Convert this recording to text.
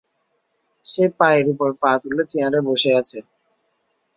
সে পায়ের ওপর পা তুলে চেয়ারে বসে আছে।